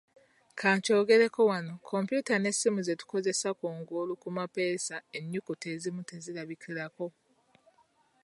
Ka nkyogereko wano kompyuta n'essimu ze tukozesa kungulu ku mapeesa ennyukuta ezimu tezirabikirako.